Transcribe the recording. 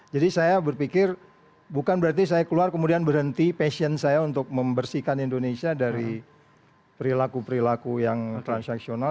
jadi saya berpikir bukan berarti saya keluar kemudian berhenti passion saya untuk membersihkan indonesia dari perilaku perilaku yang transaksional